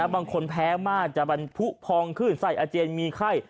บางคนแพ้มากจะบรรผู้พองขึ้นไส้อาเจียนมีไข้